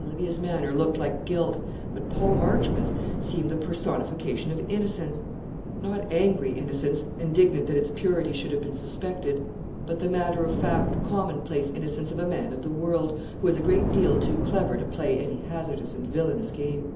Olivia's manner looked like guilt; but Paul Marchmont's seemed the personification of innocence. Not angry innocence, indignant that its purity should have been suspected; but the matter of fact, commonplace innocence of a man of the world, who is a great deal too clever to play any hazardous and villanous game.